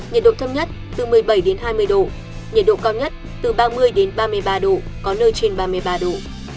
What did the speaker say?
nhiệt độ thấp nhất từ một mươi bảy đến hai mươi độ nhiệt độ cao nhất từ ba mươi ba mươi ba độ có nơi trên ba mươi ba độ